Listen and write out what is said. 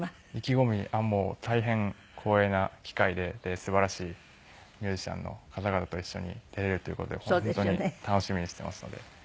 もう大変光栄な機会で素晴らしいミュージシャンの方々と一緒に出れるという事で本当に楽しみにしていますので。